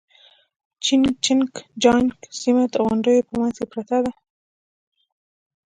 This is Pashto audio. جين چنګ جيانګ سيمه د غونډيو په منځ کې پرته ده.